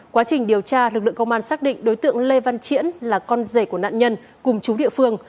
quá trình điều tra lực lượng công an xác định đối tượng lê văn triển là con rể của nạn nhân cùng chú địa phương